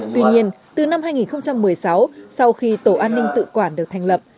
tuy nhiên từ năm hai nghìn một mươi sáu sau khi tổ an ninh tự quản được thành lập